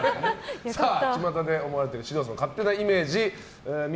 ちまたで思われている獅童さんの勝手なイメージ。